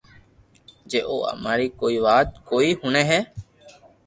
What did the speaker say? جي او امري ڪوئي وات ڪوئي ھوڻي ھي